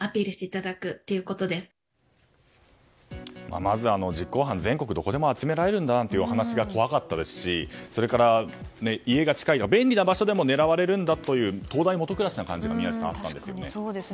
まずは実行犯全国どこでも集められるというお話が怖かったですしそれから、家が近いと便利な場所でも狙われるんだという灯台下暗しな感じが宮司さん、ありましたね。